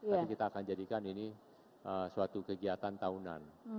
tapi kita akan jadikan ini suatu kegiatan tahunan